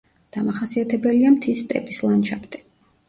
დამახასიათებელია მთის სტეპის ლანდშაფტი.